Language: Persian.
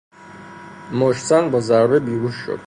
مشتزن، با ضربه بیهوش شد.